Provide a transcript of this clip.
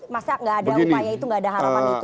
masa nggak ada upaya itu nggak ada harapan itu